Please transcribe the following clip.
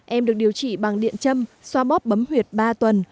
em được điều trị bằng điện châm xoa bóp bấm huyệt ba tuần